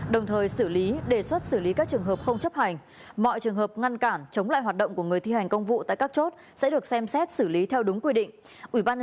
đồng thời xử lý đề xuất xử lý các trường hợp không chấp hành mọi trường hợp ngăn cản chống lại hoạt động của người thi hành công vụ tại các chốt sẽ được xem xét xử lý theo đúng quy định